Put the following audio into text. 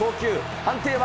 判定は？